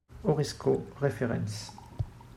Horresco referens